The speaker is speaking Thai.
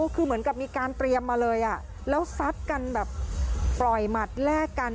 คือเหมือนกับมีการเตรียมมาเลยแล้วซัดกันแบบปล่อยหมัดแลกกัน